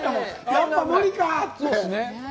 やっぱ無理かって。